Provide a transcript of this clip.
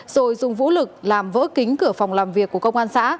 rồi dùng vũ lực làm vỡ kính cửa phòng làm việc của công an xã